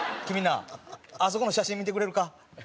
君なあそこの写真見てくれるか？